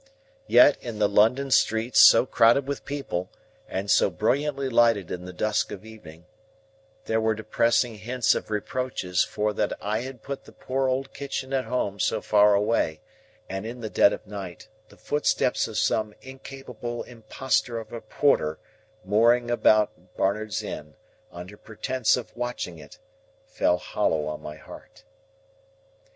Yet in the London streets so crowded with people and so brilliantly lighted in the dusk of evening, there were depressing hints of reproaches for that I had put the poor old kitchen at home so far away; and in the dead of night, the footsteps of some incapable impostor of a porter mooning about Barnard's Inn, under pretence of watching it, fell hollow on my heart.